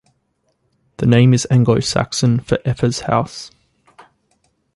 The name is Anglo-Saxon for "Effa's house".